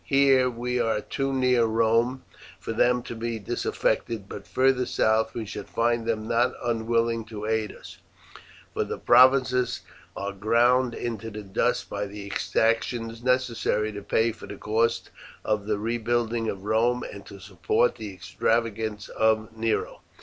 Here we are too near Rome for them to be disaffected, but further south we shall find them not unwilling to aid us, for the provinces are ground into the dust by the exactions necessary to pay for the cost of the rebuilding of Rome and to support the extravagance of Nero."